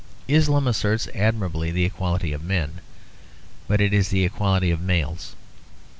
Islam asserts admirably the equality of men; but it is the equality of males.